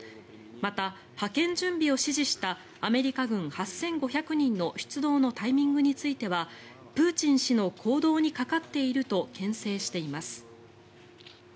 また、派遣準備を指示したアメリカ軍８５００人の出動のタイミングについてはプーチン氏の行動にかかっているとけん制しています。